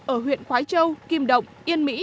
ở huyện khói châu kim động yên mỹ